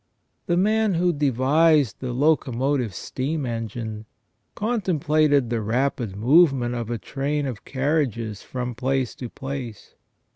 The man who devised the locomotive steam engine contemplated the rapid movement of a train of carriages from place to place.